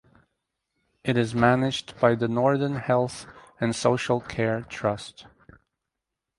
It is managed by the Northern Health and Social Care Trust.